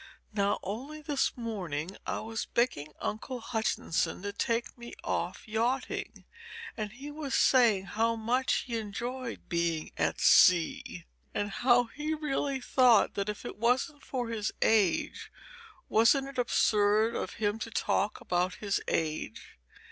Now only this morning I was begging Uncle Hutchinson to take me off yachting, and he was saying how much he enjoyed being at sea, and how he really thought that if it wasn't for his age wasn't it absurd of him to talk about his age?